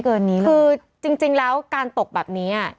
คือจริงแล้วการตกแบบนี้อะ